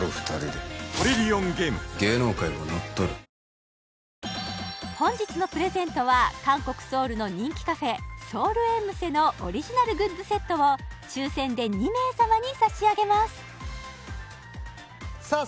キユーピーマヨネーズ本日のプレゼントは韓国ソウルの人気カフェソウルエンムセのオリジナルグッズセットを抽せんで２名様に差し上げますさあ